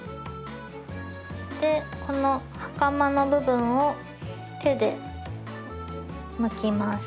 そしてこのはかまの部分を手でむきます。